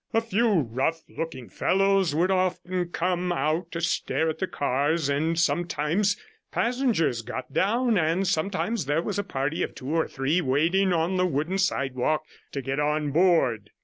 A few rough looking fellows would often come out to stare at the cars, and sometimes passengers got down, and sometimes there was a party of two or three waiting on the wooden sidewalk to get on board.